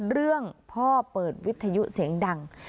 เรื่องพ่อเปิดวิทยุเสียงดัง